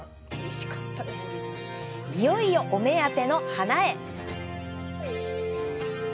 いよいよお目当ての花へ。